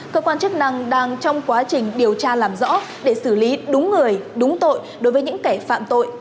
cơ quan chức năng đang trong quá trình điều tra làm rõ để xử lý đúng người đúng tội đối với những kẻ phạm tội